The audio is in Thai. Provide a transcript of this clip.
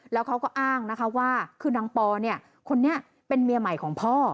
แล้วเขาก็อ้างนะคะว่าคือนางปอเนี่ยคนนี้เป็นเมียใหม่ของพ่อ